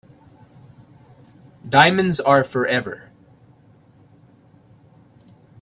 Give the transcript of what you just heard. Diamonds are forever.